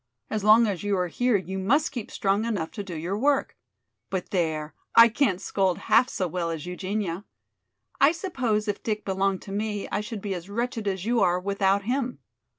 As long as you are here you must keep strong enough to do your work. But there, I can't scold half so well as Eugenia. I suppose if Dick belonged to me I should be as wretched as you are without him.